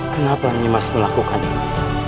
kenapa nimas melakukan ini